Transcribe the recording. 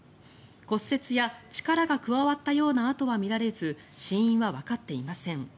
骨折や力が加わったような跡は見られず死因はわかっていません。